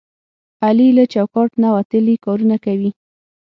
علي له چوکاټ نه وتلي کارونه کوي.